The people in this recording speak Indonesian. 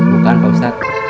bukan pak ustadz